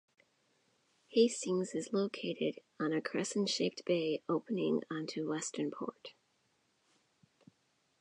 Hastings is located on a crescent-shaped bay opening onto Western Port.